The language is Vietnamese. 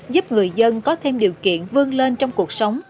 giúp người dân có thêm điều kiện vươn lên trong cuộc sống